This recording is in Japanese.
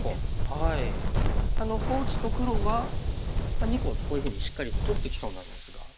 あのこう打つと黒が２個こういうふうにしっかりと取ってきそうなんですが。